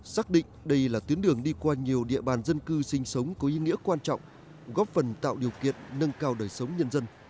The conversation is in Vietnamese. xác định đây là tuyến đường đi qua nhiều địa bàn dân cư sinh sống có ý nghĩa quan trọng góp phần tạo điều kiện nâng cao đời sống nhân dân